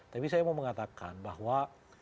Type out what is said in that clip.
tapi saya mau mengatakan bahwa